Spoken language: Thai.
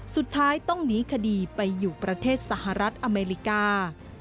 สุดท้ายต้องหนีคดีไปอยู่ประเทศสหรัฐอเมริกา